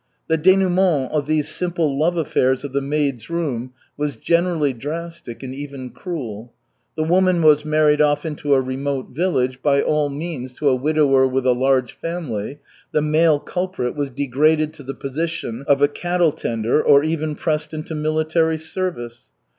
The dénouement of these simple love affairs of the maids' room was generally drastic and even cruel. The woman was married off into a remote village, by all means to a widower with a large family, the male culprit was degraded to the position of a cattle tender or even pressed into military service.